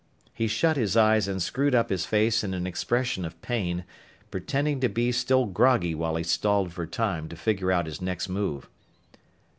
He shut his eyes and screwed up his face in an expression of pain, pretending to be still groggy while he stalled for time to figure out his next move.